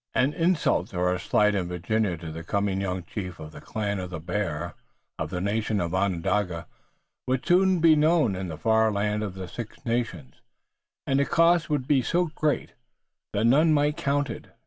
An insult or a slight in Virginia to the coming young chief of the Clan of the Bear, of the nation Onondaga would soon be known in the far land of the Six Nations, and its cost would be so great that none might count it.